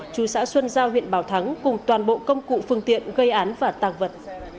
chú xã xuân giao huyện bảo thắng cùng toàn bộ công cụ phương tiện gây án và tàng vật